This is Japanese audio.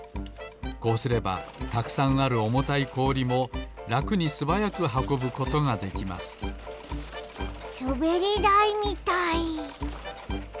こうすればたくさんあるおもたいこおりもらくにすばやくはこぶことができますすべりだいみたい！